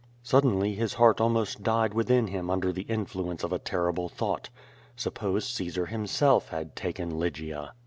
Suddenly his heart almost died within him under the influ ence of a terrible thought. Suppose Caesar himself had taken Lygia?